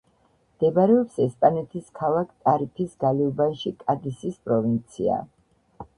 მდებარეობს ესპანეთის ქალაქ ტარიფის გარეუბანში კადისის პროვინცია.